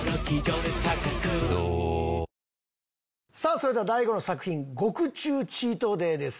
それでは大悟の作品『獄中チートデイ』です。